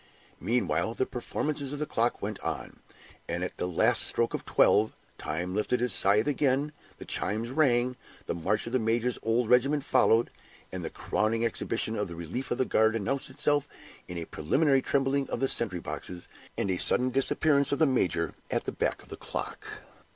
Meanwhile, the performances of the clock went on. At the last stroke of twelve, Time lifted his scythe again, the chimes rang, the march tune of the major's old regiment followed; and the crowning exhibition of the relief of the guard announced itself in a preliminary trembling of the sentry boxes, and a sudden disappearance of the major at the back of the clock.